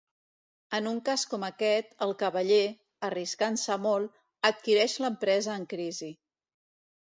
En un cas com aquest, el cavaller, arriscant-se molt, adquireix l'empresa en crisi.